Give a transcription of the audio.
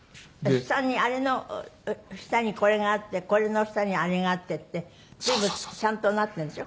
あれの下にこれがあってこれの下にあれがあってって全部ちゃんとなってるんでしょ？